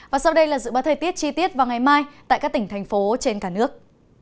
và sau đây là dự báo thời tiết chi tiết vào ngày mai tại các tỉnh thành phố trên cả nước